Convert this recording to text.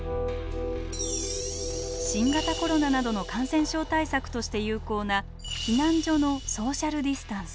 新型コロナなどの感染症対策として有効な避難所のソーシャルディスタンス。